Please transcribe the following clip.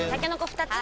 ２つ！